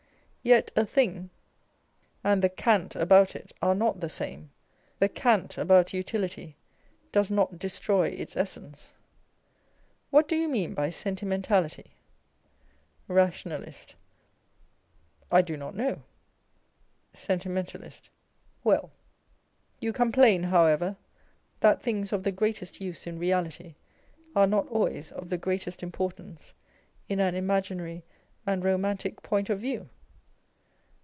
Yet a thing and the cant about it are not the same. The cant about Utility docs not destroy its essence. What do you mean by sentimentality ? Nationalist. I do not know. Sentimentalist. Well : you complain, however, that things of tho greatest use in reality are not always of the greatest importance in an imaginary and romantic point of view